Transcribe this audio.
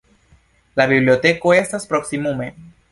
La biblioteko estas proksimume.